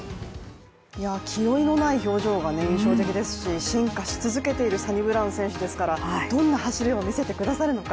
気負いのない表情が印象的ですし進化し続けているサニブラウン選手ですからどんな走りを見せてくださるのか